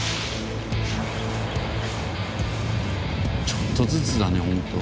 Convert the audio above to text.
ちょっとずつだねホント。